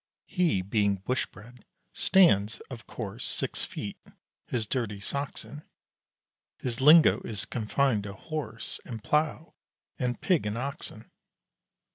He, being Bush bred, stands, of course, Six feet his dirty socks in; His lingo is confined to horse And plough, and pig and oxen.